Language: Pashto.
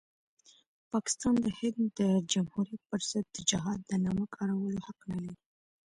پاکستان د هند د جمهوریت پرضد د جهاد د نامه کارولو حق نلري.